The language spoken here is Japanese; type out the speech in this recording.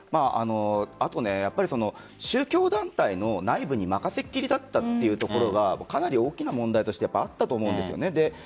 あと宗教団体の内部に任せきりだったというところがかなり大きな問題としてあったと思うんです。